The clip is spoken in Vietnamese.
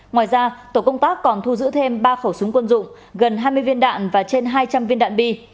ngoài ra tổ công tác còn thu giữ thêm ba khẩu súng quân dụng gần hai mươi viên đạn và trên hai trăm linh viên đạn bi